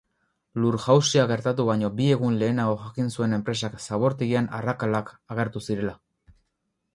Lur-jausia gertatu baino bi egun lehenago jakin zuen enpresak zabortegian arrakalak agertu zirela.